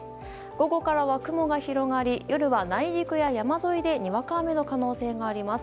午後からは雲が広がり夜は内陸や山沿いでにわか雨の可能性があります。